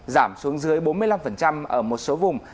giảm xuống dưới bốn mươi năm ở một số vùng